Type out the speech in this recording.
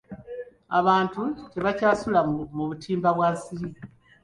Abantu tebakyasula mu butimba bwa nsiri.